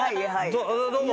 どうも。